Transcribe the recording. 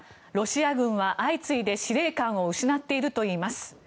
ロシア軍は相次いで司令官を失っているといいます。